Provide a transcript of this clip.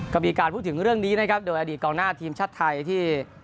ก็มีการพูดถึงเรื่องนี้นะครับโดยอดีตกองหน้าทีมชาติไทยที่